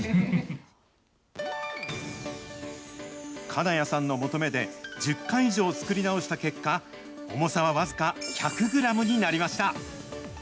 金谷さんの求めで、１０回以上作り直した結果、重さは僅か１００グラムになりました。